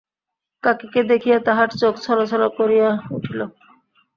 কাকীকে দেখিয়া তাহার চোখ ছলছল করিয়া উঠিল।